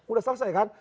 udah selesai kan